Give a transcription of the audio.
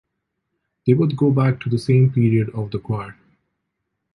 They both go back to the same period of the choir.